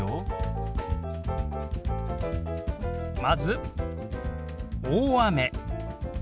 まず「大雨」。